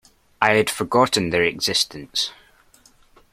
I had forgotten their existence.